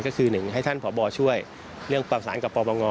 ก็คือหนึ่งให้ท่านพบช่วยเรื่องประสานกับปปง